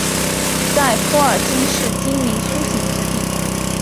在托尔金是精灵苏醒之地。